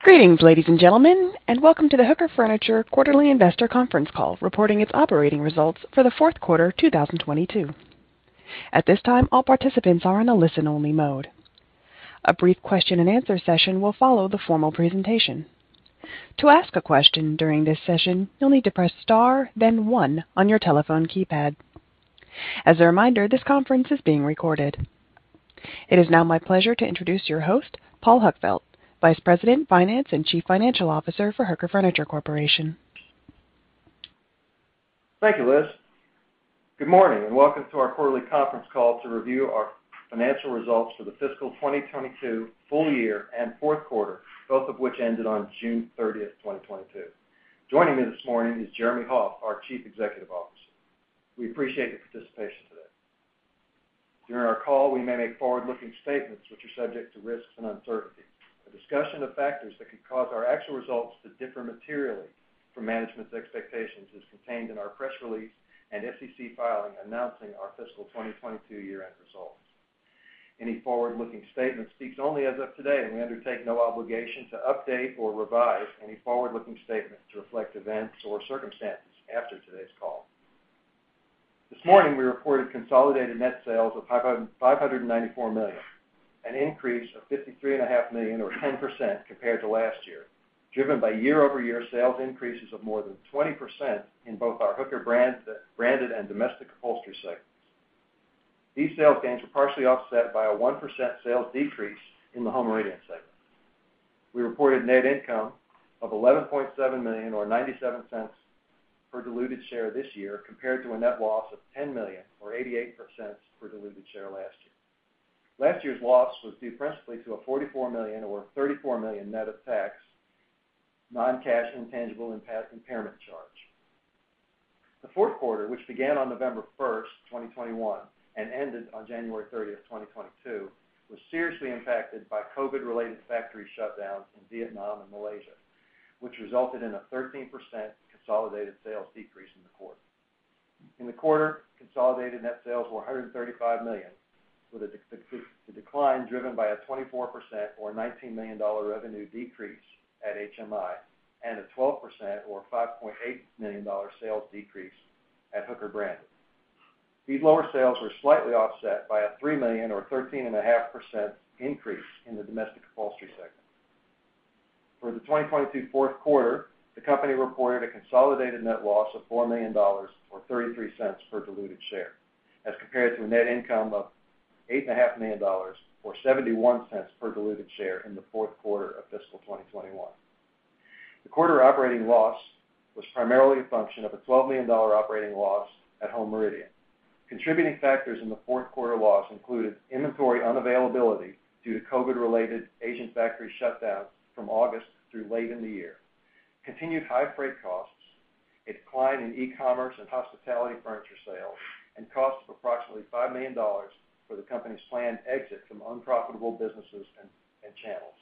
Greetings, ladies and gentlemen, and welcome to the Hooker Furniture quarterly investor conference call, reporting its operating results for the fourth quarter 2022. At this time, all participants are in a listen-only mode. A brief question and answer session will follow the formal presentation. To ask a question during this session, you'll need to press star, then one on your telephone keypad. As a reminder, this conference is being recorded. It is now my pleasure to introduce your host, Paul Huckfeldt, Vice President, Finance, and Chief Financial Officer for Hooker Furniture Corporation. Thank you, Liz. Good morning, and welcome to our quarterly conference call to review our financial results for the fiscal 2022 full year and fourth quarter, both of which ended on June 30th, 2022. Joining me this morning is Jeremy Hoff, our Chief Executive Officer. We appreciate your participation today. During our call, we may make forward-looking statements which are subject to risks and uncertainty. A discussion of factors that could cause our actual results to differ materially from management's expectations is contained in our press release and SEC filing announcing our fiscal 2022 year-end results. Any forward-looking statement speaks only as of today, and we undertake no obligation to update or revise any forward-looking statements to reflect events or circumstances after today's call. This morning, we reported consolidated net sales of $594 million, an increase of $53.5 million or 10% compared to last year, driven by year-over-year sales increases of more than 20% in both our Hooker Branded and domestic upholstery segments. These sales gains were partially offset by a 1% sales decrease in the Home Meridian segment. We reported net income of $11.7 million or $0.97 per diluted share this year compared to a net loss of $10 million or $0.88 per diluted share last year. Last year's loss was due principally to a $44 million, or $34 million net of tax, non-cash intangible impairment charge. The fourth quarter, which began on November 1st, 2021 and ended on January 30th, 2022, was seriously impacted by COVID-related factory shutdowns in Vietnam and Malaysia, which resulted in a 13% consolidated sales decrease in the quarter. In the quarter, consolidated net sales were $135 million, with a decline driven by a 24% or $19 million revenue decrease at HMI and a 12% or $5.8 million sales decrease at Hooker Branded. These lower sales were slightly offset by a $3 million or 13.5% increase in the domestic upholstery segment. For the 2022 fourth quarter, the company reported a consolidated net loss of $4 million or $0.33 per diluted share, as compared to a net income of $8.5 million or $0.71 per diluted share in the fourth quarter of fiscal 2021. The quarter operating loss was primarily a function of a $12 million operating loss at Home Meridian. Contributing factors in the fourth quarter loss included inventory unavailability due to COVID-related Asian factory shutdowns from August through late in the year, continued high freight costs, a decline in e-commerce and hospitality furniture sales, and costs of approximately $5 million for the company's planned exit from unprofitable businesses and channels.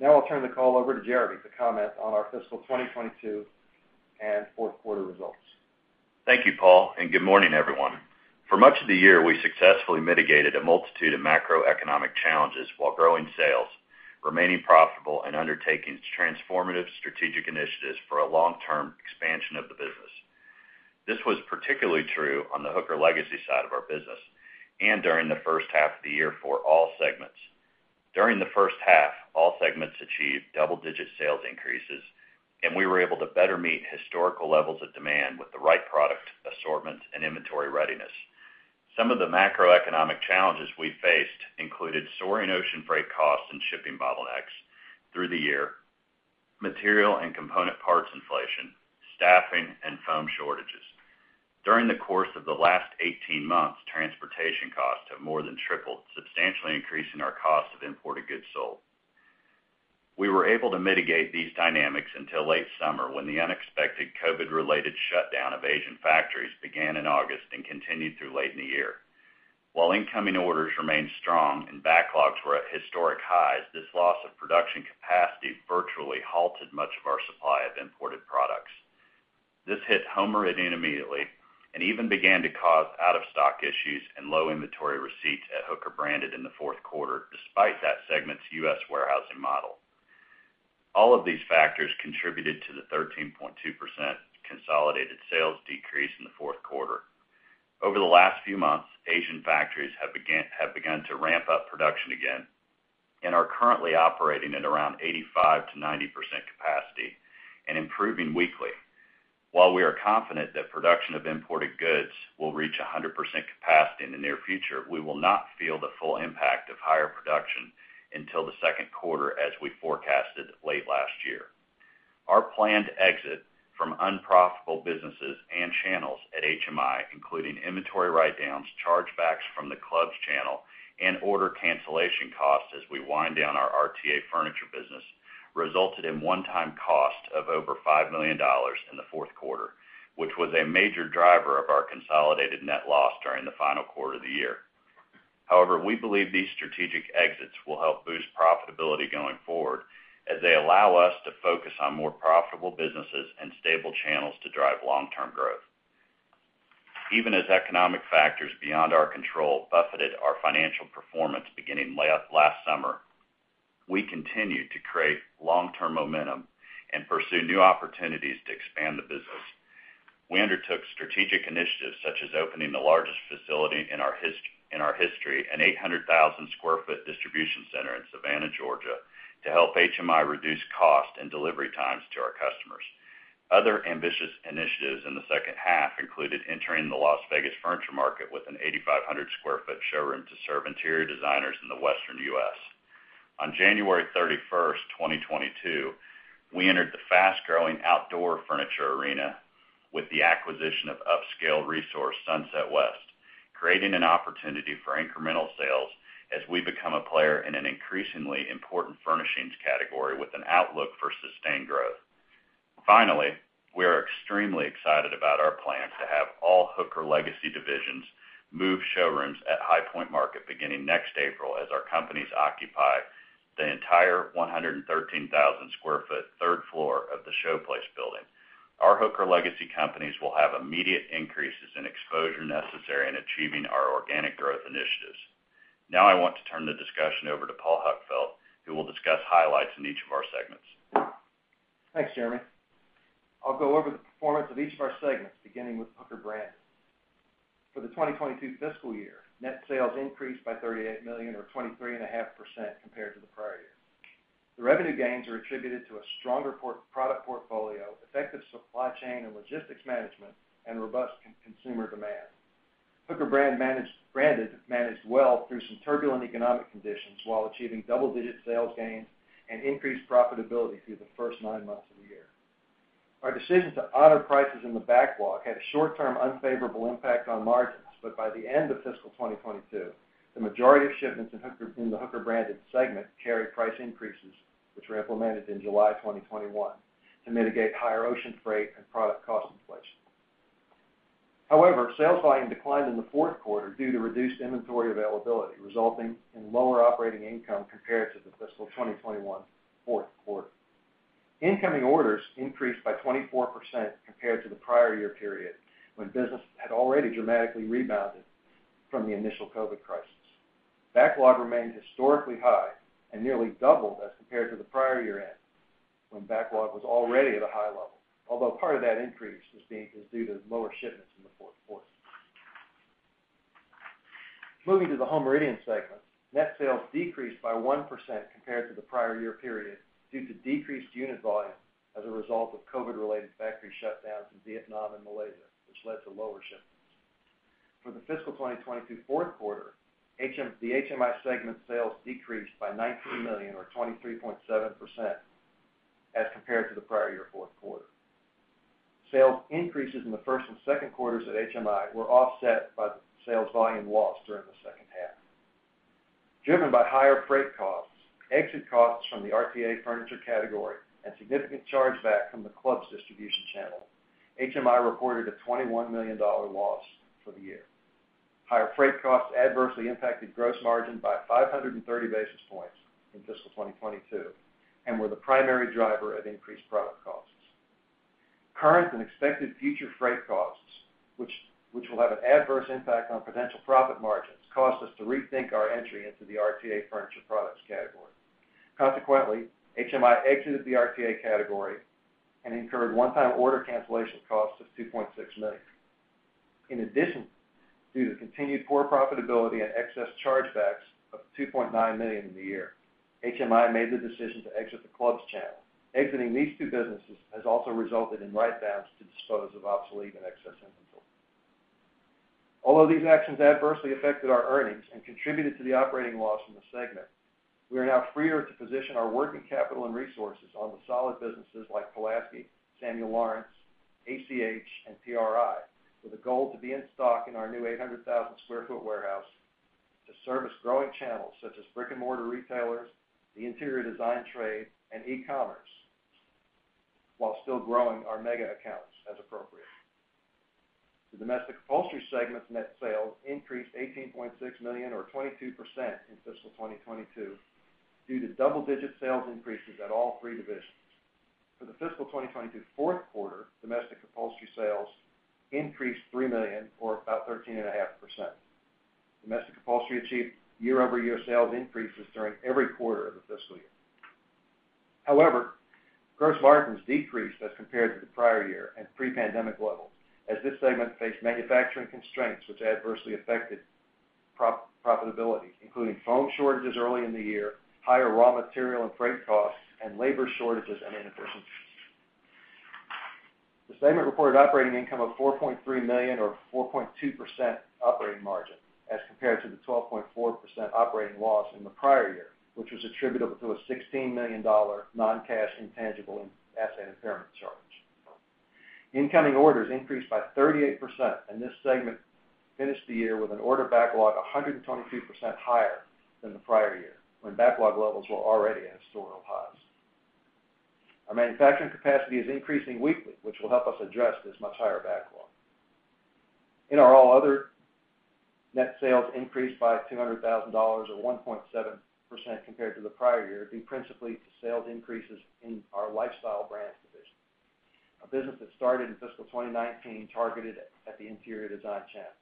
Now I'll turn the call over to Jeremy to comment on our fiscal 2022 and fourth quarter results. Thank you, Paul, and good morning, everyone. For much of the year, we successfully mitigated a multitude of macroeconomic challenges while growing sales, remaining profitable, and undertaking transformative strategic initiatives for a long-term expansion of the business. This was particularly true on the Hooker Legacy side of our business and during the first half of the year for all segments. During the first half, all segments achieved double-digit sales increases, and we were able to better meet historical levels of demand with the right product assortment and inventory readiness. Some of the macroeconomic challenges we faced included soaring ocean freight costs and shipping bottlenecks through the year, material and component parts inflation, staffing, and foam shortages. During the course of the last 18 months, transportation costs have more than tripled, substantially increasing our cost of imported goods sold. We were able to mitigate these dynamics until late summer when the unexpected COVID-related shutdown of Asian factories began in August and continued through late in the year. While incoming orders remained strong and backlogs were at historic highs, this loss of production capacity virtually halted much of our supply of imported products. This hit Home Meridian immediately and even began to cause out-of-stock issues and low inventory receipts at Hooker Branded in the fourth quarter, despite that segment's U.S. warehousing model. All of these factors contributed to the 13.2% consolidated sales decrease in the fourth quarter. Over the last few months, Asian factories have begun to ramp up production again and are currently operating at around 85%-90% capacity and improving weekly. While we are confident that production of imported goods will reach 100% capacity in the near future, we will not feel the full impact of higher production until the second quarter as we forecasted late last year. Our planned exit from unprofitable businesses and channels at HMI, including inventory write-downs, chargebacks from the clubs channel, and order cancellation costs as we wind down our RTA furniture business, resulted in one-time cost of over $5 million in the fourth quarter, which was a major driver of our consolidated net loss during the final quarter of the year. However, we believe these strategic exits will help boost profitability going forward as they allow us to focus on more profitable businesses and stable channels to drive long-term growth. Even as economic factors beyond our control buffeted our financial performance beginning last summer, we continued to create long-term momentum and pursue new opportunities to expand the business. We undertook strategic initiatives such as opening the largest facility in our history, an 800,000 sq ft distribution center in Savannah, Georgia, to help HMI reduce cost and delivery times to our customers. Other ambitious initiatives in the second half included entering the Las Vegas furniture market with an 8,500 sq ft showroom to serve interior designers in the Western U.S. On January 31st, 2022, we entered the fast-growing outdoor furniture arena with the acquisition of upscale resource Sunset West, creating an opportunity for incremental sales as we become a player in an increasingly important furnishings category with an outlook for sustained growth. Finally, we are extremely excited about our plans to have all Hooker legacy divisions move showrooms at High Point Market beginning next April as our companies occupy the entire 113,000 sq ft third floor of the Showplace building. Our Hooker legacy companies will have immediate increases in exposure necessary in achieving our organic growth initiatives. Now, I want to turn the discussion over to Paul Huckfeldt, who will discuss highlights in each of our segments. Thanks, Jeremy. I'll go over the performance of each of our segments, beginning with Hooker Branded. For the 2022 fiscal year, net sales increased by $38 million or 23.5% compared to the prior year. The revenue gains are attributed to a stronger product portfolio, effective supply chain and logistics management, and robust consumer demand. Hooker Branded managed well through some turbulent economic conditions while achieving double-digit sales gains and increased profitability through the first nine months of the year. Our decision to honor prices in the backlog had a short-term unfavorable impact on margins, but by the end of fiscal 2022, the majority of shipments in the Hooker Branded segment carried price increases, which were implemented in July 2021 to mitigate higher ocean freight and product cost inflation. However, sales volume declined in the fourth quarter due to reduced inventory availability, resulting in lower operating income compared to the fiscal 2021 fourth quarter. Incoming orders increased by 24% compared to the prior year period when business had already dramatically rebounded from the initial COVID crisis. Backlog remained historically high and nearly doubled as compared to the prior year end, when backlog was already at a high level, although part of that increase is due to lower shipments in the fourth quarter. Moving to the Home Meridian segment, net sales decreased by 1% compared to the prior year period due to decreased unit volume as a result of COVID-related factory shutdowns in Vietnam and Malaysia, which led to lower shipments. For the fiscal 2022 fourth quarter, the HMI segment sales decreased by $19 million or 23.7% as compared to the prior year fourth quarter. Sales increases in the first and second quarters at HMI were offset by the sales volume loss during the second half. Driven by higher freight costs, exit costs from the RTA furniture category, and significant charge back from the club's distribution channel, HMI reported a $21 million loss for the year. Higher freight costs adversely impacted gross margin by 530 basis points in fiscal 2022 and were the primary driver of increased product costs. Current and expected future freight costs, which will have an adverse impact on potential profit margins, caused us to rethink our entry into the RTA furniture products category. Consequently, HMI exited the RTA category and incurred one-time order cancellation costs of $2.6 million. In addition, due to continued poor profitability and excess chargebacks of $2.9 million in the year, HMI made the decision to exit the clubs channel. Exiting these two businesses has also resulted in write-downs to dispose of obsolete and excess inventory. Although these actions adversely affected our earnings and contributed to the operating loss in the segment, we are now freer to position our working capital and resources on the solid businesses like Pulaski, Samuel Lawrence, ACH, and PRI, with a goal to be in stock in our new 800,000 sq ft warehouse to service growing channels such as brick-and-mortar retailers, the interior design trade, and e-commerce, while still growing our mega accounts as appropriate. The domestic upholstery segment's net sales increased $18.6 million or 22% in fiscal 2022 due to double-digit sales increases at all three divisions. For the fiscal 2022 fourth quarter, domestic upholstery sales increased $3 million or about 13.5%. Domestic upholstery achieved year-over-year sales increases during every quarter of the fiscal year. However, gross margins decreased as compared to the prior year and pre-pandemic levels, as this segment faced manufacturing constraints which adversely affected profitability, including foam shortages early in the year, higher raw material and freight costs, and labor shortages and inefficiencies. The segment reported operating income of $4.3 million or 4.2% operating margin as compared to the 12.4% operating loss in the prior year, which was attributable to a $16 million non-cash intangible asset impairment charge. Incoming orders increased by 38%, and this segment finished the year with an order backlog 122% higher than the prior year, when backlog levels were already at historical highs. Our manufacturing capacity is increasing weekly, which will help us address this much higher backlog. In our all other net sales increased by $200,000, or 1.7% compared to the prior year, due principally to sales increases in our Lifestyle Brands division, a business that started in fiscal 2019 targeted at the interior design channel.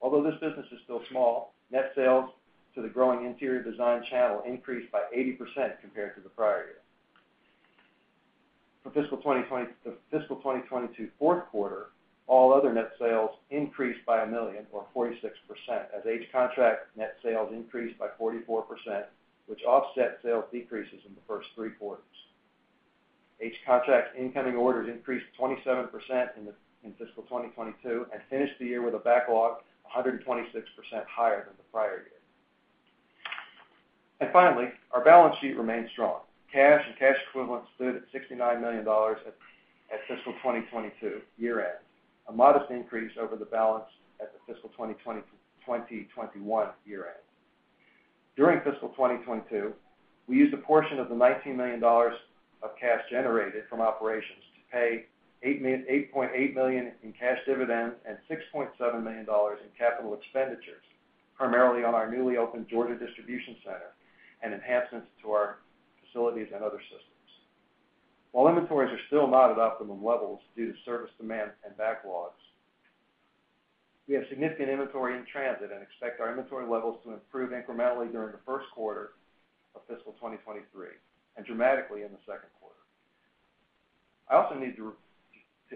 Although this business is still small, net sales to the growing interior design channel increased by 80% compared to the prior year. For the fiscal 2022 fourth quarter, all other net sales increased by a million, or 46%, as H Contract net sales increased by 44%, which offset sales decreases in the first three quarters. H Contract incoming orders increased 27% in fiscal 2022 and finished the year with a backlog 126% higher than the prior year. Finally, our balance sheet remains strong. Cash and cash equivalents stood at $69 million at fiscal 2022 year-end, a modest increase over the balance at the fiscal 2020-2021 year-end. During fiscal 2022, we used a portion of the $19 million of cash generated from operations to pay $8.8 million in cash dividends and $6.7 million in capital expenditures, primarily on our newly opened Georgia distribution center and enhancements to our facilities and other systems. While inventories are still not at optimum levels due to service demand and backlogs, we have significant inventory in transit and expect our inventory levels to improve incrementally during the first quarter of fiscal 2023, and dramatically in the second quarter. I also need to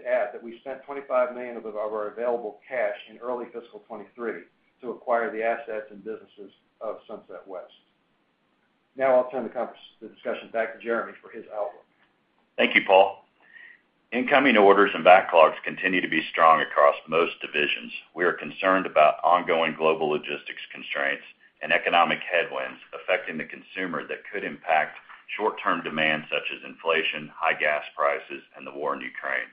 add that we spent $25 million of our available cash in early fiscal 2023 to acquire the assets and businesses of Sunset West. Now I'll turn the discussion back to Jeremy for his outlook. Thank you, Paul. Incoming orders and backlogs continue to be strong across most divisions. We are concerned about ongoing global logistics constraints and economic headwinds affecting the consumer that could impact short-term demand such as inflation, high gas prices, and the war in Ukraine.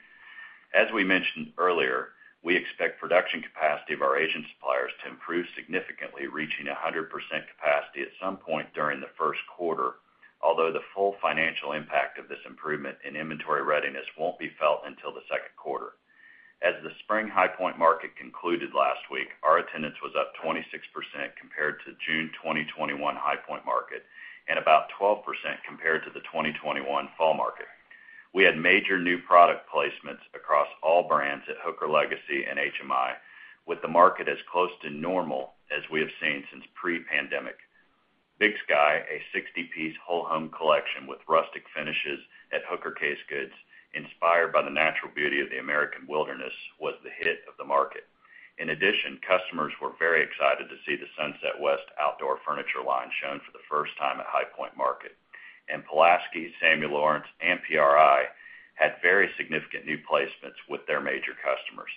As we mentioned earlier, we expect production capacity of our Asian suppliers to improve significantly, reaching 100% capacity at some point during the first quarter, although the full financial impact of this improvement in inventory readiness won't be felt until the second quarter. As the spring High Point Market concluded last week, our attendance was up 26% compared to June 2021 High Point Market and about 12% compared to the 2021 fall market. We had major new product placements across all brands at Hooker Legacy and HMI, with the market as close to normal as we have seen since pre-pandemic. Big Sky, a 60-piece whole home collection with rustic finishes at Hooker Casegoods, inspired by the natural beauty of the American wilderness, was the hit of the market. In addition, customers were very excited to see the Sunset West outdoor furniture line shown for the first time at High Point Market. Pulaski, Samuel Lawrence, and PRI had very significant new placements with their major customers.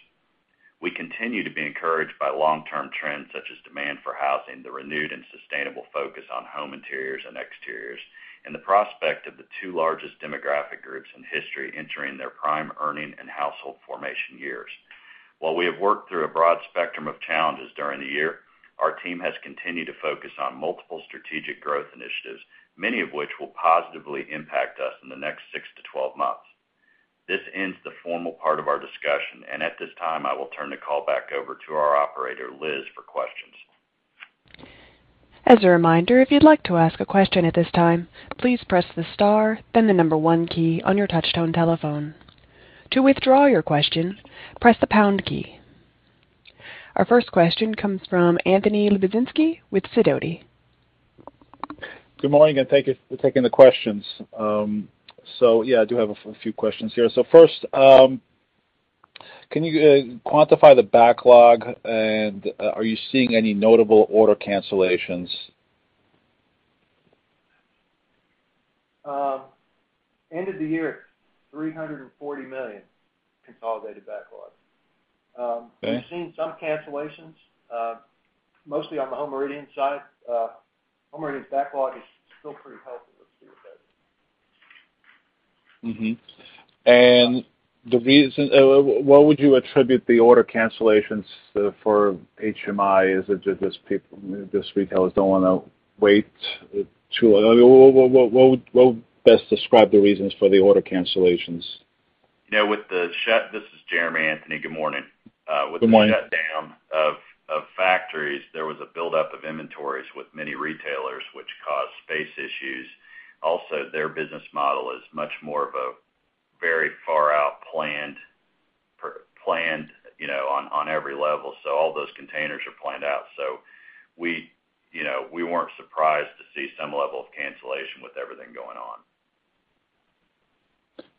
We continue to be encouraged by long-term trends such as demand for housing, the renewed and sustainable focus on home interiors and exteriors, and the prospect of the two largest demographic groups in history entering their prime earning and household formation years. While we have worked through a broad spectrum of challenges during the year, our team has continued to focus on multiple strategic growth initiatives, many of which will positively impact us in the next six to 12 months. This ends the formal part of our discussion, and at this time, I will turn the call back over to our operator, Liz, for questions. Our first question comes from Anthony C. Lebiedzinski with Sidoti. Good morning, and thank you for taking the questions. Yeah, I do have a few questions here. First, can you quantify the backlog, and are you seeing any notable order cancellations? End of the year, $340 million consolidated backlog. Okay. We've seen some cancellations, mostly on the Home Meridian side. Home Meridian's backlog is still pretty healthy, let's leave it at that. What would you attribute the order cancellations for HMI? Is it just retailers don't wanna wait too. What would best describe the reasons for the order cancellations? This is Jeremy, Anthony. Good morning. Good morning. With the shutdown of factories, there was a buildup of inventories with many retailers, which caused space issues. Also, their business model is much more of a very far-out planned, you know, on every level. All those containers are planned out. We, you know, we weren't surprised to see some level of cancellation with everything going on.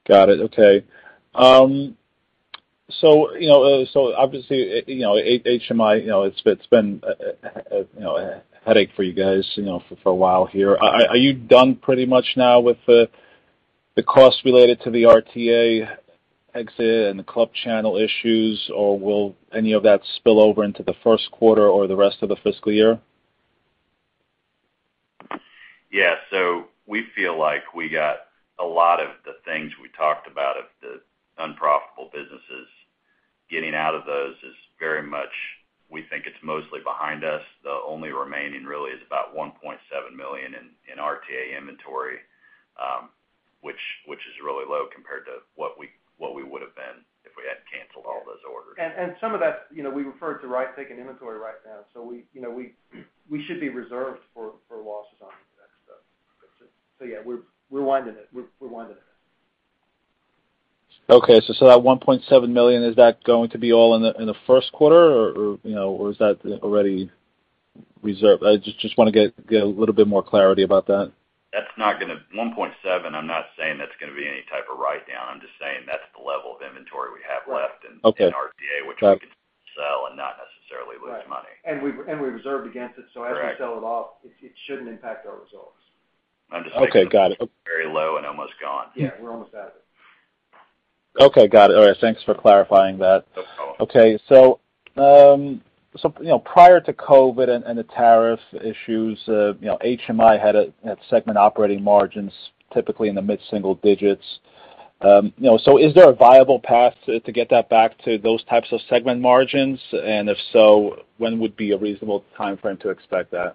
Got it. Okay. You know, obviously, you know, HMI, you know, it's been a headache for you guys, you know, for a while here. Are you done pretty much now with the costs related to the RTA exit and the club channel issues? Will any of that spill over into the first quarter or the rest of the fiscal year? We feel like we got a lot of the things we talked about of the unprofitable businesses. Getting out of those is very much. We think it's mostly behind us. The only remaining really is about $1.7 million in RTA inventory, which is really low compared to what we would have been if we hadn't canceled all those orders. Some of that, you know, we referred to, right, taking inventory write-down. We, you know, should be reserved for losses on that stuff. Yeah, we're winding it. Okay. That $1.7 million, is that going to be all in the first quarter or, you know, or is that already reserved? I just wanna get a little bit more clarity about that. That's not gonna be $1.7. I'm not saying that's gonna be any type of write-down. I'm just saying that's the level of inventory we have left. Okay. In RTA, which we can sell and not necessarily lose money. Right. We reserved against it. Correct. As we sell it off, it shouldn't impact our results. I'm just saying. Okay, got it. It's very low and almost gone. Yeah, we're almost out of it. Okay, got it. All right, thanks for clarifying that. No problem. Okay. You know, prior to COVID and the tariff issues, you know, HMI had segment operating margins typically in the mid-single digits. You know, is there a viable path to get that back to those types of segment margins? If so, when would be a reasonable timeframe to expect that?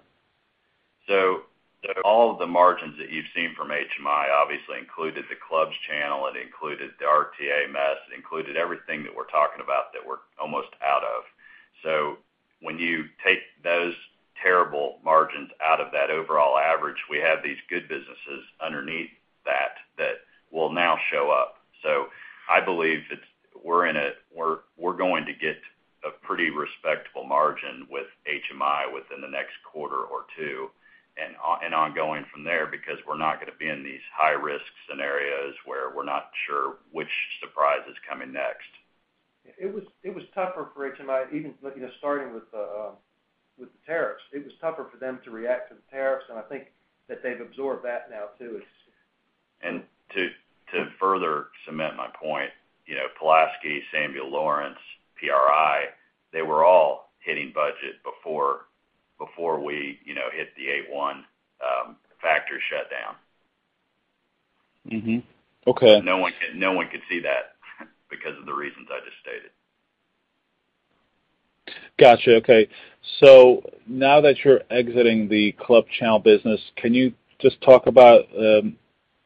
All the margins that you've seen from HMI obviously included the clubs channel, it included the RTA mess, it included everything that we're talking about that we're almost out of. When you take those terrible margins out of that overall average, we have these good businesses underneath that will now show up. I believe we're going to get a pretty respectable margin with HMI within the next quarter or two, and ongoing from there because we're not gonna be in these high-risk scenarios where we're not sure which surprise is coming next. It was tougher for HMI, even looking at starting with the tariffs. It was tougher for them to react to the tariffs, and I think that they've absorbed that now too. to further cement my point, you know, Pulaski, Samuel Lawrence, PRI, they were all hitting budget before we, you know, hit the A1 factory shutdown. Mm-hmm. Okay. No one could see that because of the reasons I just stated. Gotcha. Okay. Now that you're exiting the club channel business, can you just talk about, you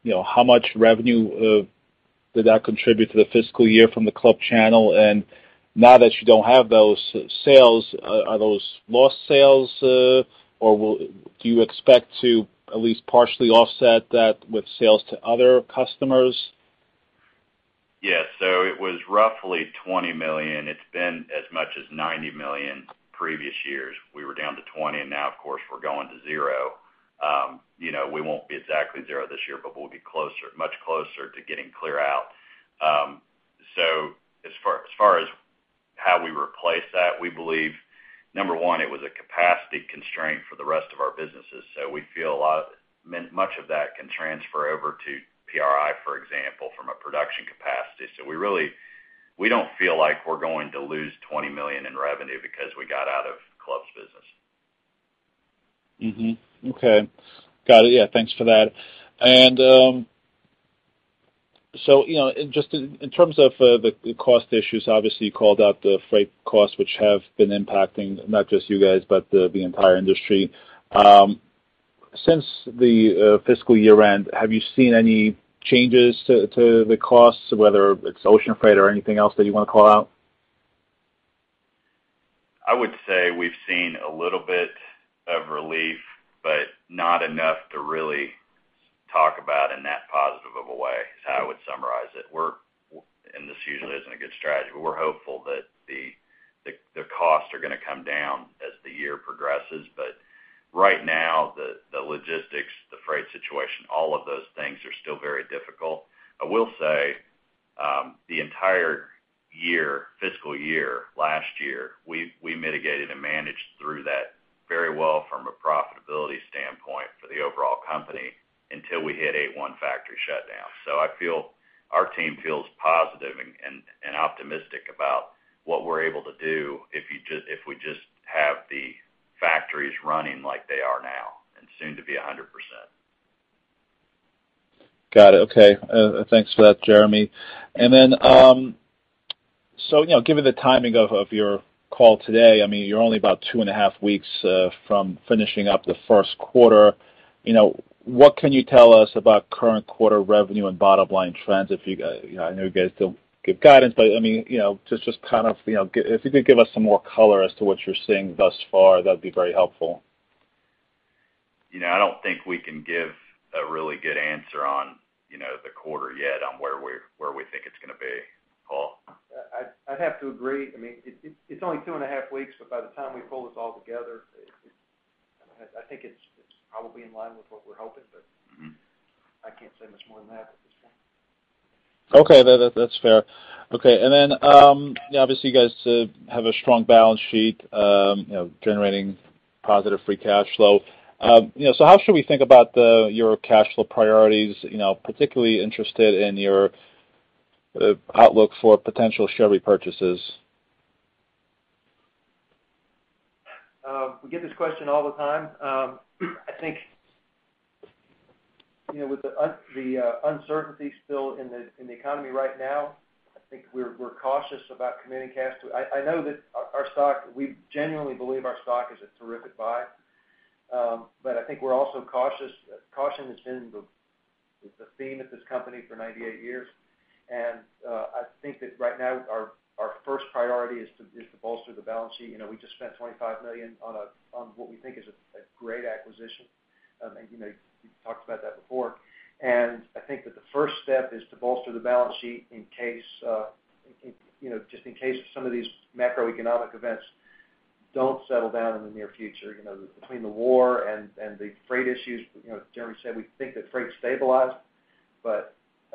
know, how much revenue did that contribute to the fiscal year from the club channel? Now that you don't have those sales, are those lost sales, or do you expect to at least partially offset that with sales to other customers? Yeah. It was roughly $20 million. It's been as much as $90 million previous years. We were down to 20, and now of course we're going to zero. You know, we won't be exactly zero this year, but we'll be closer, much closer to getting clear out. As far as how we replace that, we believe, number one, it was a capacity constraint for the rest of our businesses. We feel a lot, much of that can transfer over to PRI, for example, from a production capacity. We really don't feel like we're going to lose $20 million in revenue because we got out of clubs business. Mm-hmm. Okay. Got it. Yeah, thanks for that. You know, just in terms of the cost issues, obviously, you called out the freight costs, which have been impacting not just you guys, but the entire industry. Since the fiscal year end, have you seen any changes to the costs, whether it's ocean freight or anything else that you wanna call out? I would say we've seen a little bit of relief, but not enough to really talk about in that positive of a way, is how I would summarize it. This usually isn't a good strategy. We're hopeful that the costs are gonna come down as the year progresses. Right now, the logistics, the freight situation, all of those things are still very difficult. I will say, the entire year, fiscal year, last year, we mitigated and managed through that very well from a profitability standpoint for the overall company until we hit Vietnam factory shutdown. I feel our team feels positive and optimistic about what we're able to do if we just have the factories running like they are now and soon to be 100%. Got it. Okay. Thanks for that, Jeremy. You know, given the timing of your call today, I mean, you're only about two and a half weeks from finishing up the first quarter. You know, what can you tell us about current quarter revenue and bottom line trends? I know you guys don't give guidance, but I mean, you know, just kind of, you know, if you could give us some more color as to what you're seeing thus far, that'd be very helpful. You know, I don't think we can give a really good answer on, you know, the quarter yet on where we think it's gonna be, Paul. I'd have to agree. I mean, it's only two and a half weeks, but by the time we pull this all together, I think it's probably in line with what we're hoping, but. Mm-hmm. I can't say much more than that at this point. Okay. That's fair. Okay. Obviously you guys have a strong balance sheet, you know, generating positive free cash flow. You know, how should we think about your cash flow priorities? You know, particularly interested in your outlook for potential share repurchases. We get this question all the time. I think, you know, with the uncertainty still in the economy right now, I think we're cautious about committing cash to it. I know that we genuinely believe our stock is a terrific buy, but I think we're also cautious. Caution has been the theme of this company for 98 years. I think that right now, our first priority is to bolster the balance sheet. You know, we just spent $25 million on what we think is a great acquisition. You know, we've talked about that before. I think that the first step is to bolster the balance sheet in case, you know, just in case some of these macroeconomic events don't settle down in the near future. You know, between the war and the freight issues, you know, as Jeremy said, we think that freight stabilized.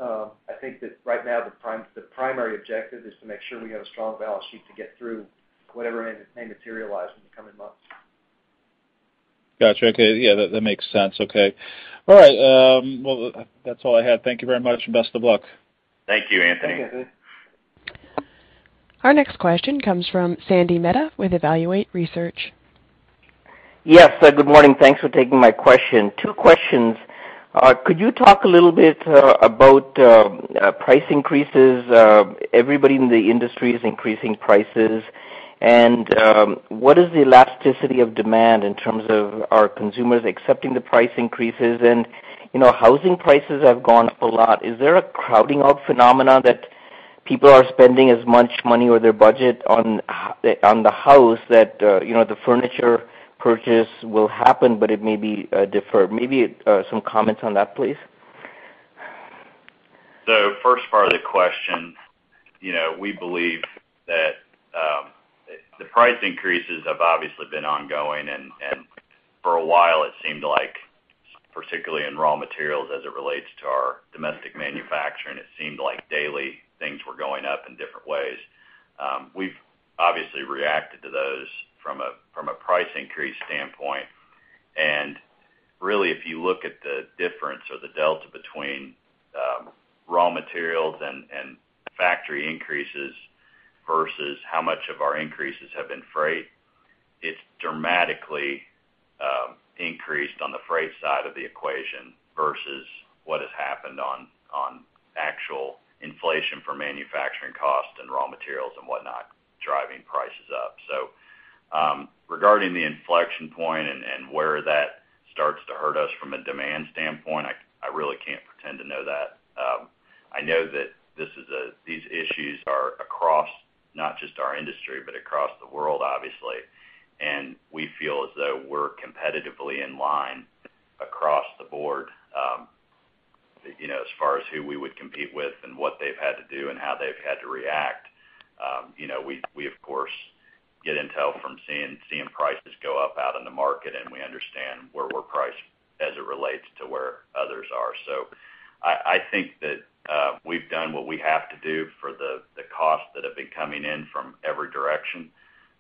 I think that right now, the primary objective is to make sure we have a strong balance sheet to get through whatever may materialize in the coming months. Got you. Okay. Yeah, that makes sense. Okay. All right. Well, that's all I had. Thank you very much, and best of luck. Thank you, Anthony. Thank you. Our next question comes from Sandy Mehta with Evaluate Research. Yes, good morning. Thanks for taking my question. Two questions. Could you talk a little bit about price increases? Everybody in the industry is increasing prices. What is the elasticity of demand in terms of are consumers accepting the price increases? You know, housing prices have gone up a lot. Is there a crowding out phenomenon that people are spending as much money or their budget on the house that, you know, the furniture purchase will happen, but it may be deferred? Maybe some comments on that, please. First part of the question, you know, we believe that, the price increases have obviously been ongoing. For a while, it seemed like, particularly in raw materials as it relates to our domestic manufacturing, it seemed like daily things were going up in different ways. We've obviously reacted to those from a, from a price increase standpoint. Really, if you look at the difference or the delta between, raw materials and factory increases versus how much of our increases have been freight, it's dramatically, increased on the freight side of the equation versus what has happened on actual inflation for manufacturing costs and raw materials and whatnot driving prices up. Regarding the inflection point and where that starts to hurt us from a demand standpoint, I really can't pretend to know that. I know that these issues are across not just our industry, but across the world, obviously. We feel as though we're competitively in line across the board, you know, as far as who we would compete with and what they've had to do and how they've had to react. You know, we of course get intel from seeing prices go up out in the market, and we understand where we're priced as it relates to where others are. I think that we've done what we have to do for the costs that have been coming in from every direction.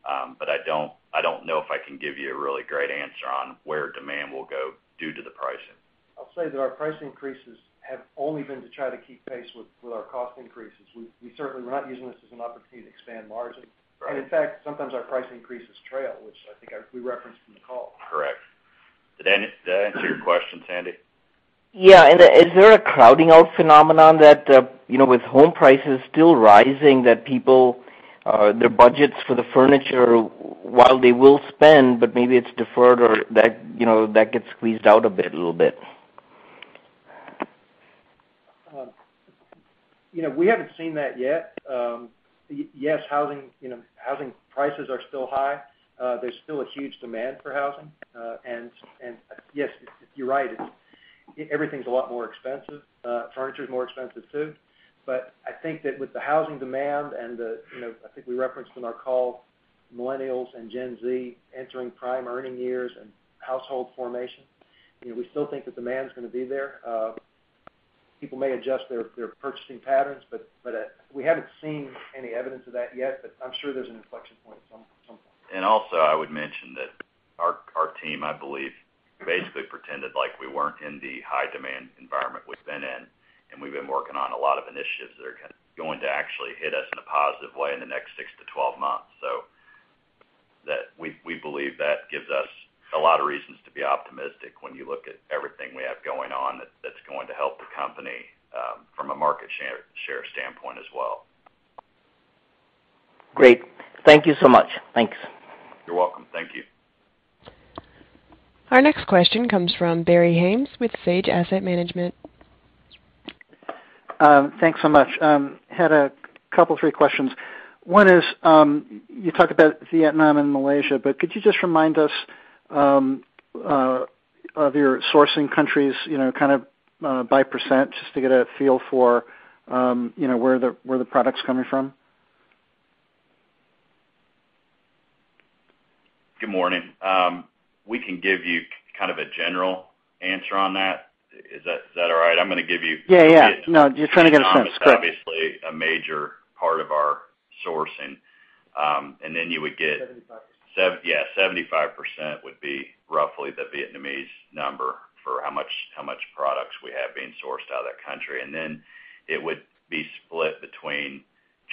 I don't know if I can give you a really great answer on where demand will go due to the pricing. I'll say that our price increases have only been to try to keep pace with our cost increases. We certainly are not using this as an opportunity to expand margins. Right. In fact, sometimes our price increases trail, which I think we referenced in the call. Correct. Did that answer your question, Sandy? Yeah. Is there a crowding out phenomenon that, you know, with home prices still rising, that people, their budgets for the furniture, while they will spend, but maybe it's deferred or that, you know, that gets squeezed out a bit, a little bit? You know, we haven't seen that yet. Yes, housing, you know, housing prices are still high. There's still a huge demand for housing. Yes, you're right. Everything's a lot more expensive. Furniture is more expensive, too. I think that with the housing demand and the, you know, I think we referenced in our call, millennials and Gen Z entering prime earning years and household formation, you know, we still think the demand is gonna be there. People may adjust their purchasing patterns, but we haven't seen any evidence of that yet. I'm sure there's an inflection point sometime. I would mention that our team, I believe, basically pretended like we weren't in the high demand environment we've been in, and we've been working on a lot of initiatives that are going to actually hit us in a positive way in the next six to 12 months. We believe that gives us a lot of reasons to be optimistic when you look at everything we have going on that's going to help the company from a market share standpoint as well. Great. Thank you so much. Thanks. You're welcome. Thank you. Our next question comes from Barry Haines with Sage Asset Management. Thanks so much. Had a couple, three questions. One is, you talked about Vietnam and Malaysia, but could you just remind us of your sourcing countries, you know, kind of, by percent, just to get a feel for, you know, where the product's coming from? Good morning. We can give you kind of a general answer on that. Is that, is that all right? I'm gonna give you. Yeah, yeah. No, just trying to get a sense. Correct. Obviously, a major part of our sourcing. 75%. 75% would be roughly the Vietnamese number for how much products we have being sourced out of that country. It would be split between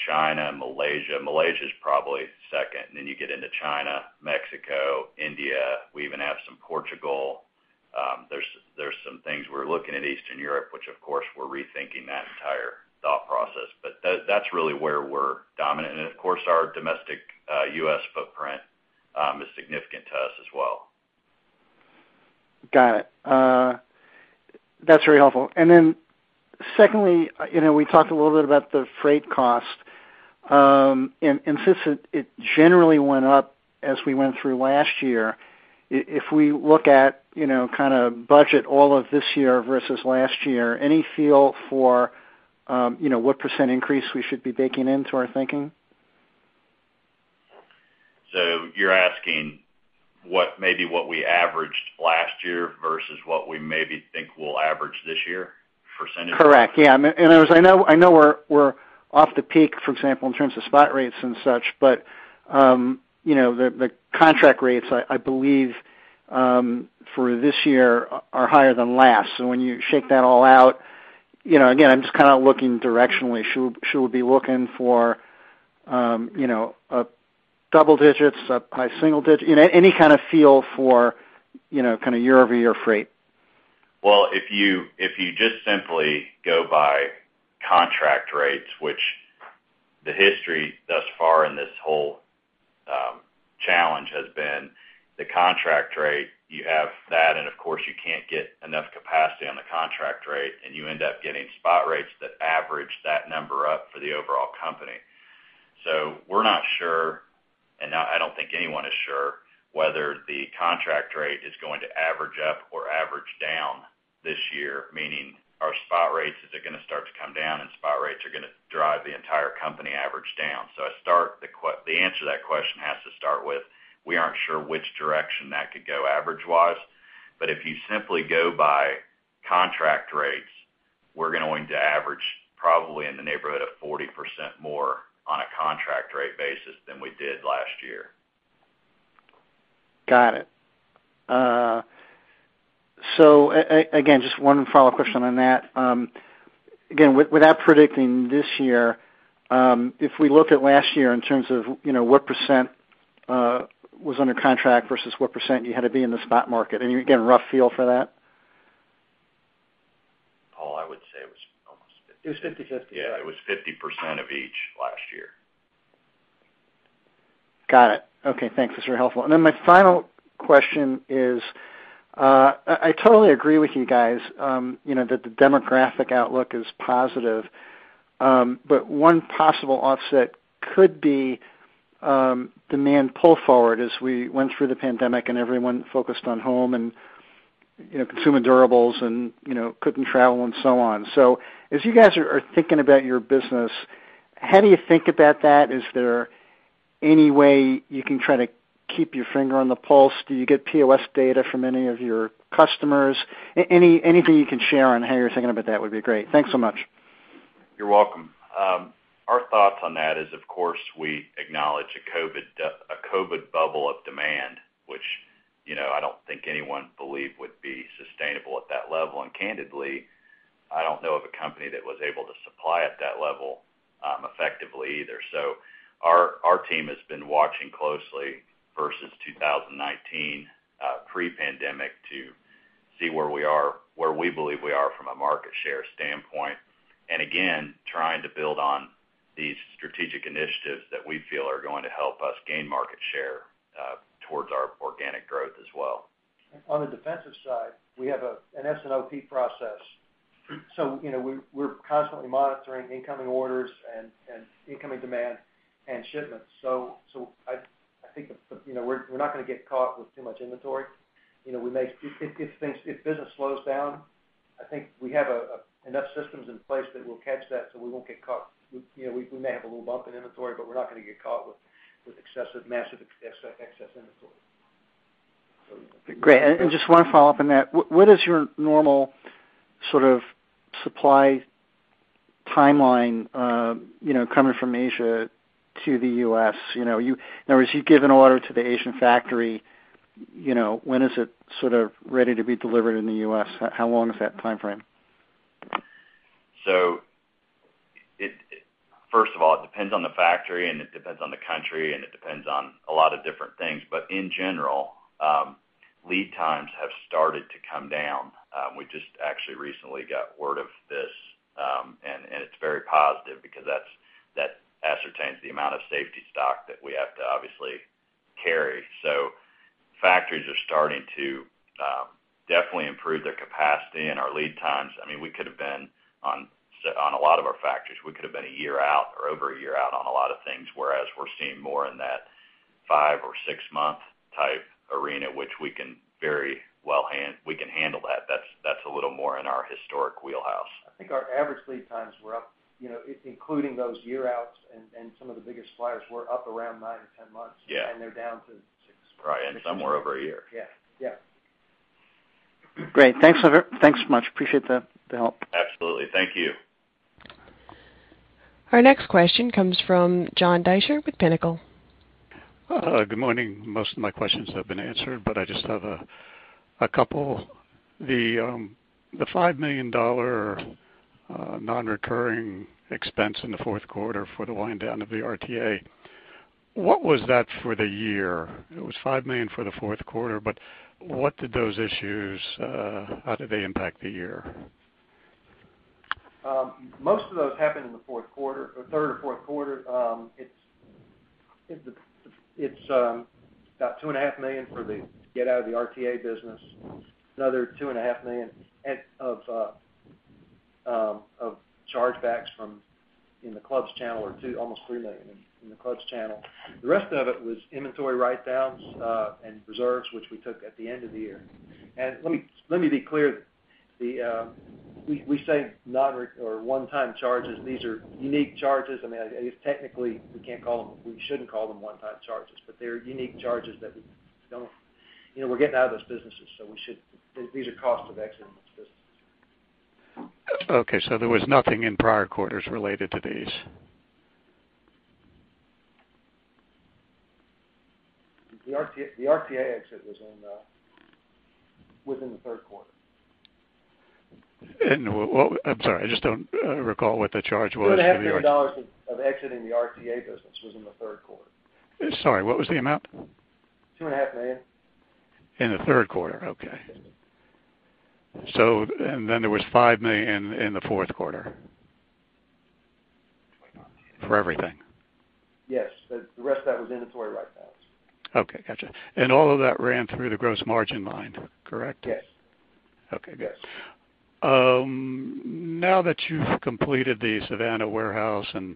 China, Malaysia. Malaysia is probably second. Then you get into China, Mexico, India. We even have some Portugal. We're looking at Eastern Europe, which of course, we're rethinking that entire thought process. That's really where we're dominant. Our domestic U.S. footprint is significant to us as well. Got it. That's very helpful. Then secondly, you know, we talked a little bit about the freight cost. And since it generally went up as we went through last year, if we look at, you know, kind of budget all of this year versus last year, any feel for, you know, what percent increase we should be baking into our thinking? You're asking what maybe what we averaged last year versus what we maybe think we'll average this year percentage? Correct. Yeah. As I know, I know we're off the peak, for example, in terms of spot rates and such. You know, the contract rates, I believe for this year are higher than last. When you shake that all out, you know, again, I'm just kind of looking directionally. Should we be looking for, you know, a double digits, a high single digit? You know, any kind of feel for, you know, kind of year-over-year freight. Well, if you just simply go by contract rates, which the history thus far in this whole challenge has been the contract rate, you have that, and of course, you can't get enough capacity on the contract rate, and you end up getting spot rates that average that number up for the overall company. We're not sure, and I don't think anyone is sure, whether the contract rate is going to average up or average down this year, meaning our spot rates, is it gonna start to come down and spot rates are gonna drive the entire company average down. The answer to that question has to start with, we aren't sure which direction that could go average-wise. If you simply go by contract rates, we're going to average probably in the neighborhood of 40% more on a contract rate basis than we did last year. Got it. So again, just one follow question on that. Again, without predicting this year, if we look at last year in terms of, you know, what percent, was under contract versus what percent you had to be in the spot market, any, again, rough feel for that? Paul, I would say it was almost 50. It was 50/50. Yeah, it was 50% of each last year. Got it. Okay, thanks. That's very helpful. My final question is, I totally agree with you guys, you know, that the demographic outlook is positive. But one possible offset could be, demand pull forward as we went through the pandemic and everyone focused on home and, you know, consumer durables and, you know, couldn't travel and so on. As you guys are thinking about your business, how do you think about that? Is there any way you can try to keep your finger on the pulse? Do you get POS data from any of your customers? Anything you can share on how you're thinking about that would be great. Thanks so much. You're welcome. Our thoughts on that is, of course, we acknowledge a COVID bubble of demand, which, you know, I don't think anyone believed would be sustainable at that level. Candidly, I don't know of a company that was able to supply at that level, effectively either. Our team has been watching closely versus 2019, pre-pandemic to see where we are, where we believe we are from a market share standpoint. Again, trying to build on these strategic initiatives that we feel are going to help us gain market share, towards our organic growth as well. On the defensive side, we have an S&OP process. You know, we're constantly monitoring incoming orders and incoming demand and shipments. I think, you know, we're not gonna get caught with too much inventory. You know, we may. If business slows down, I think we have enough systems in place that we'll catch that, so we won't get caught. You know, we may have a little bump in inventory, but we're not gonna get caught with excessive, massive excess inventory. Great. Just one follow-up on that. What is your normal sort of supply timeline, you know, coming from Asia to the U.S., you know? In other words, you've given an order to the Asian factory, you know, when is it sort of ready to be delivered in the U.S.? How long is that timeframe? First of all, it depends on the factory, and it depends on the country, and it depends on a lot of different things. In general, lead times have started to come down. We just actually recently got word of this, and it's very positive because that ascertains the amount of safety stock that we have to obviously carry. Factories are starting to definitely improve their capacity and our lead times. I mean, we could have been on a lot of our factories. We could have been a year out or over a year out on a lot of things, whereas we're seeing more in that five or six month type arena, which we can very well handle. That's a little more in our historic wheelhouse. I think our average lead times were up, you know, including those year-outs and some of the biggest suppliers were up around nine to 10 months. Yeah. They're down to six. Right. Some were over a year. Yeah. Yeah. Great. Thanks much. Appreciate the help. Absolutely. Thank you. Our next question comes from John Deysher with Pinnacle. Good morning. Most of my questions have been answered, but I just have a couple. The $5 million non-recurring expense in the fourth quarter for the wind down of the RTA. What was that for the year? It was $5 million for the fourth quarter, but what did those issues, how did they impact the year? Most of those happened in the fourth quarter, or third or fourth quarter. It's about $2.5 million for getting out of the RTA business, another $2.5 million of chargebacks from the clubs channel or two, almost $3 million in the clubs channel. The rest of it was inventory write-downs and reserves, which we took at the end of the year. Let me be clear. We say non-recurring or one-time charges. These are unique charges. I mean, I guess technically, we can't call them, we shouldn't call them one-time charges, but they're unique charges that we don't. You know, we're getting out of those businesses, so we should. These are costs of exiting those businesses. Okay, there was nothing in prior quarters related to these? The RTA exit was within the third quarter. Well, I'm sorry, I just don't recall what the charge was for the- $2.5 million of exiting the RTA business was in the third quarter. Sorry, what was the amount? $2.5 million. In the third quarter? Okay. There was $5 million in the fourth quarter? For everything. Yes. The rest of that was inventory write-downs. Okay, gotcha. All of that ran through the gross margin line, correct? Yes. Okay, good. Now that you've completed the Savannah warehouse and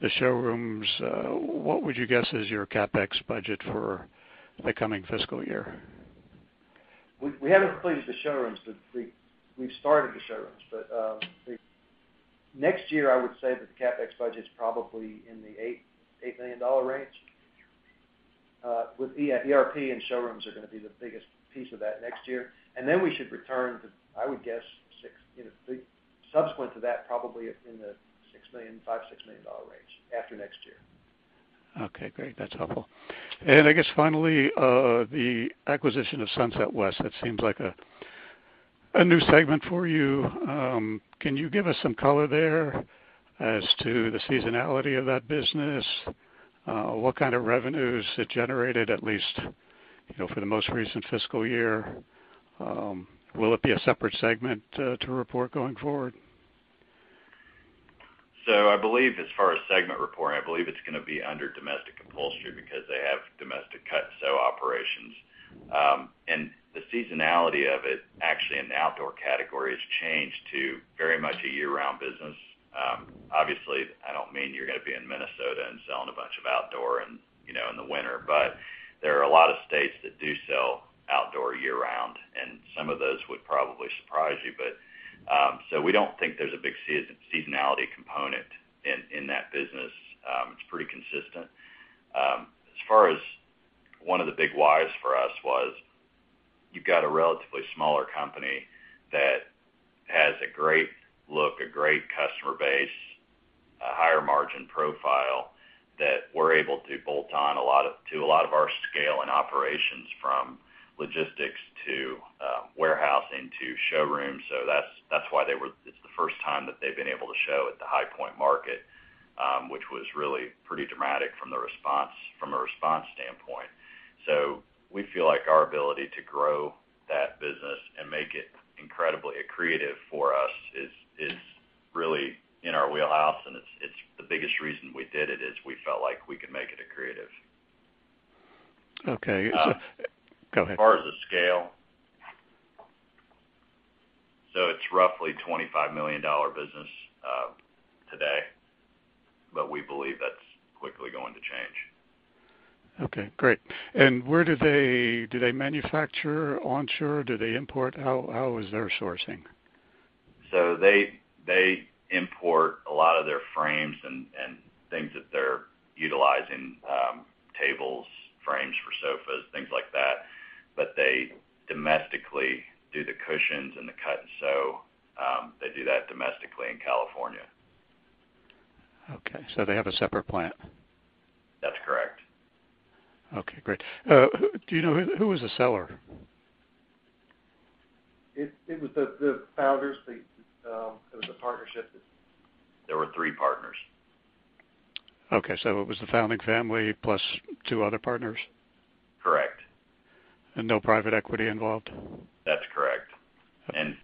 the showrooms, what would you guess is your CapEx budget for the coming fiscal year? We haven't completed the showrooms, but we've started the showrooms. Next year, I would say that the CapEx budget's probably in the $8 million range. With the ERP and showrooms gonna be the biggest piece of that next year. We should return to, I would guess, subsequent to that, probably in the $5 million-$6 million range after next year. Okay, great. That's helpful. I guess, finally, the acquisition of Sunset West, that seems like a new segment for you. Can you give us some color there as to the seasonality of that business? What kind of revenues it generated, at least, you know, for the most recent fiscal year? Will it be a separate segment, to report going forward? I believe as far as segment reporting, it's gonna be under domestic upholstery because they have domestic cut-and-sew operations. The seasonality of it actually in the outdoor category has changed to very much a year-round business. Obviously, I don't mean you're gonna be in Minnesota and selling a bunch of outdoor and, you know, in the winter, but there are a lot of states that do sell outdoor year-round, and some of those would probably surprise you. We don't think there's a big seasonality component in that business. It's pretty consistent. As far as one of the big whys for us was you've got a relatively smaller company that has a great look, a great customer base, a higher margin profile that we're able to bolt on a lot of, to a lot of our scale and operations from logistics to, warehousing to showrooms. That's why it's the first time that they've been able to show at the High Point Market, which was really pretty dramatic from the response, from a response standpoint. We feel like our ability to grow that business and make it incredibly accretive for us is really in our wheelhouse, and it's the biggest reason we did it, is we felt like we could make it accretive. Okay. Um. Go ahead. As far as the scale, so it's roughly a $25 million business, today, but we believe that's quickly going to change. Okay, great. Do they manufacture onshore? Do they import? How is their sourcing? They import a lot of their frames and things that they're utilizing, tables, frames for sofas, things like that. They domestically do the cushions and the cut-and-sew. They do that domestically in California. Okay. They have a separate plant. That's correct. Okay, great. Do you know who was the seller? It was the founders. It was a partnership that. There were three partners. Okay. It was the founding family plus two other partners? Correct. No private equity involved? That's correct.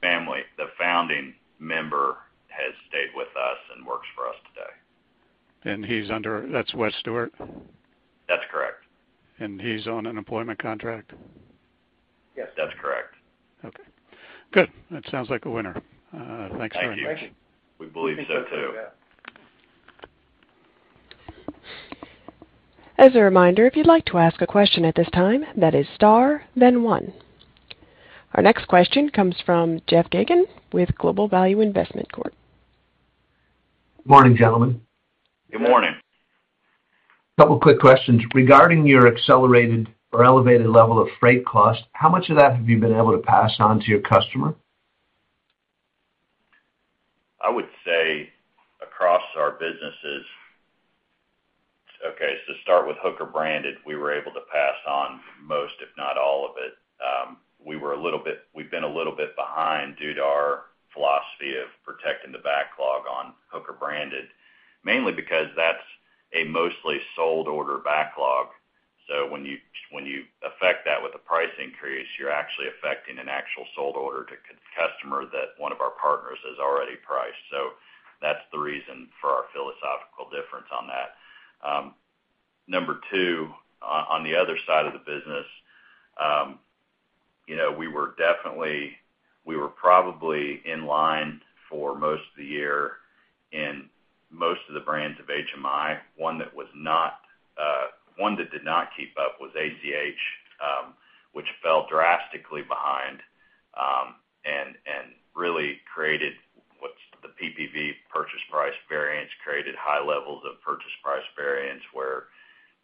Family, the founding member has stayed with us and works for us today. That's Wes Stewart? That's correct. He's on an employment contract? Yes. That's correct. Okay, good. That sounds like a winner. Thanks very much. Thank you. Appreciation. We believe so too. As a reminder, if you'd like to ask a question at this time, that is star then one. Our next question comes from Jeff Geygan with Global Value Investment Corp. Morning, gentlemen. Good morning. Couple quick questions. Regarding your accelerated or elevated level of freight cost, how much of that have you been able to pass on to your customer? I would say across our businesses. Okay, start with Hooker Branded, we were able to pass on most, if not all of it. We've been a little bit behind due to our philosophy of protecting the backlog on Hooker Branded, mainly because that's a mostly sold order backlog. When you affect that with a price increase, you're actually affecting an actual sold order to customer that one of our partners has already priced. That's the reason for our philosophical difference on that. Number two, on the other side of the business, you know, we were probably in line for most of the year in most of the brands of HMI. One that was not. One that did not keep up was ACH, which fell drastically behind, and really created what's the PPV, purchase price variance, high levels of purchase price variance, where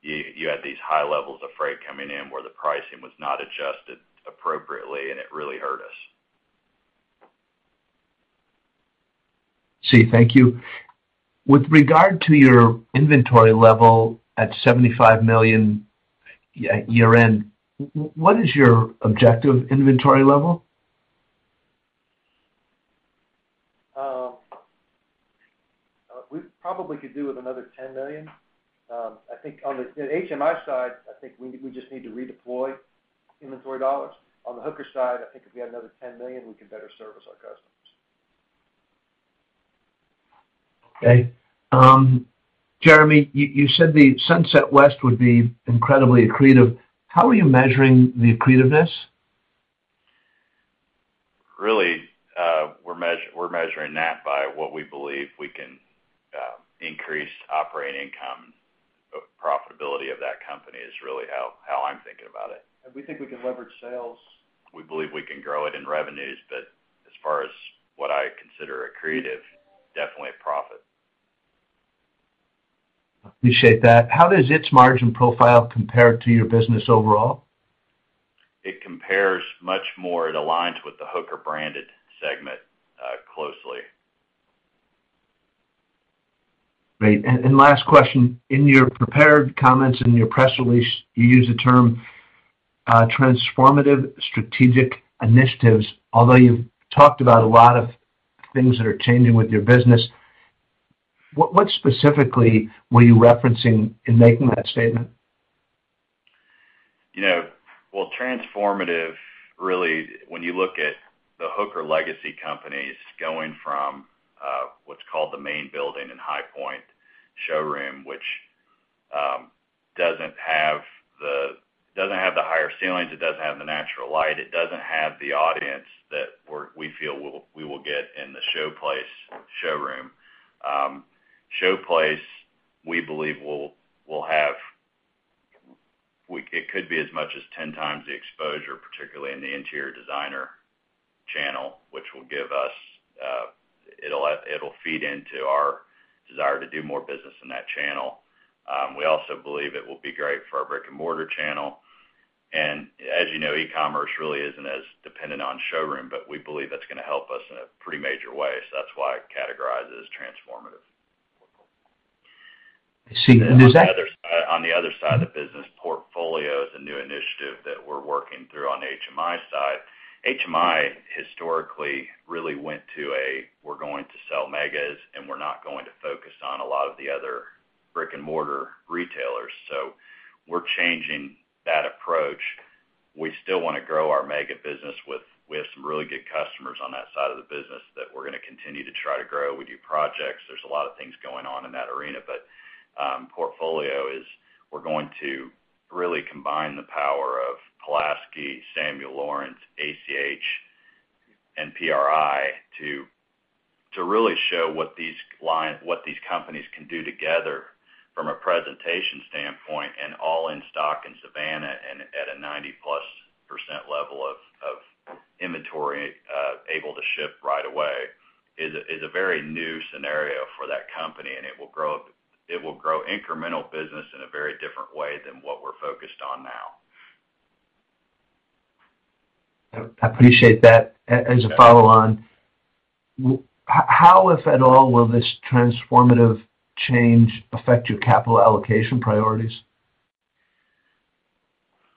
you had these high levels of freight coming in where the pricing was not adjusted appropriately, and it really hurt us. I see. Thank you. With regard to your inventory level at $75 million year-end, what is your objective inventory level? We probably could do with another $10 million. I think on the HMI side, I think we just need to redeploy inventory dollars. On the Hooker side, I think if we had another $10 million, we could better service our customers. Okay. Jeremy, you said the Sunset West would be incredibly accretive. How are you measuring the accretiveness? Really, we're measuring that by what we believe we can increase operating income. Profitability of that company is really how I'm thinking about it. We think we can leverage sales. We believe we can grow it in revenues. As far as what I consider accretive, definitely a profit. Appreciate that. How does its margin profile compare to your business overall? It compares much more. It aligns with the Hooker Branded segment, closely. Great. Last question. In your prepared comments in your press release, you use the term, transformative strategic initiatives. Although you've talked about a lot of things that are changing with your business, what specifically were you referencing in making that statement? You know, well, transformative really, when you look at the Hooker legacy companies going from what's called the main building and High Point showroom, which doesn't have the higher ceilings, it doesn't have the natural light, it doesn't have the audience that we feel we will get in the Showplace showroom. Showplace, we believe will have. It could be as much as 10 times the exposure, particularly in the interior designer channel, which will give us. It'll feed into our desire to do more business in that channel. We also believe it will be great for our brick-and-mortar channel. As you know, e-commerce really isn't as dependent on showroom, but we believe that's gonna help us in a pretty major way. That's why I categorize it as transformative. I see. Is that- On the other side of the business, portfolio is a new initiative that we're working through on HMI side. HMI historically really went to a, we're going to sell Megas and we're not going to focus on a lot of the other brick-and-mortar retailers. We're changing that approach. We still wanna grow our Mega business with some really good customers on that side of the business that we're gonna continue to try to grow. We do projects. There's a lot of things going on in that arena. Portfolio is we're going to really combine the power of Pulaski, Samuel Lawrence, ACH, and PRI to really show what these companies can do together from a presentation standpoint and all in stock in Savannah and at a 90%+ level of inventory able to ship right away is a very new scenario for that company, and it will grow incremental business in a very different way than what we're focused on now. I appreciate that. As a follow-on, how, if at all, will this transformative change affect your capital allocation priorities?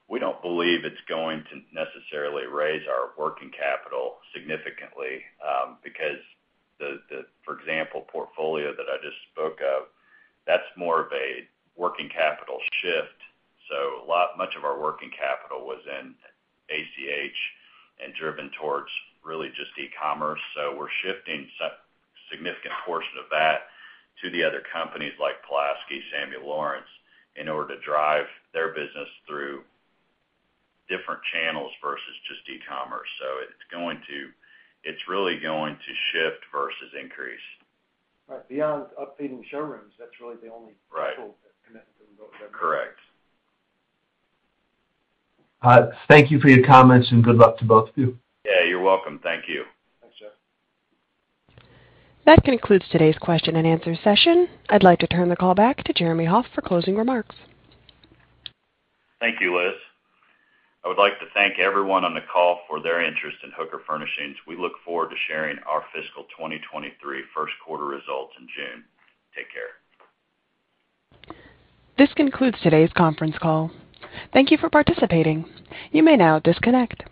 We don't believe it's going to necessarily raise our working capital significantly, because, for example, the portfolio that I just spoke of, that's more of a working capital shift. Much of our working capital was in ACH and driven towards really just e-commerce. We're shifting some significant portion of that to the other companies like Pulaski, Samuel Lawrence, in order to drive their business through different channels versus just e-commerce. It's really going to shift versus increase. Right. Beyond updating showrooms, that's really the only. Right. Tool that connects to both of them. Correct. Thank you for your comments, and good luck to both of you. Yeah, you're welcome. Thank you. Thanks, Jeff. That concludes today's question and answer session. I'd like to turn the call back to Jeremy Hoff for closing remarks. Thank you, Liz. I would like to thank everyone on the call for their interest in Hooker Furnishings. We look forward to sharing our fiscal 2023 first quarter results in June. Take care. This concludes today's conference call. Thank you for participating. You may now disconnect.